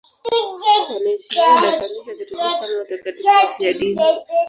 Wanaheshimiwa na Kanisa Katoliki kama watakatifu wafiadini.